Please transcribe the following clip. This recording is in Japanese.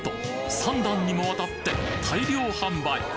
３段にもわたって大漁販売！